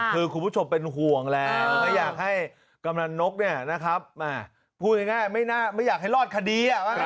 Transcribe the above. คือคุณผู้ชมเป็นห่วงแล้วไม่อยากให้กำนันนกพูดง่ายไม่อยากให้รอดคดี